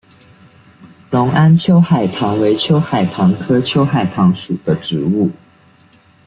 隆安秋海棠为秋海棠科秋海棠属的植物。